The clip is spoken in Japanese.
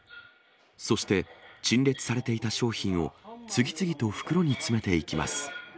そして、陳列されていた商品を次々と袋に詰めていきます。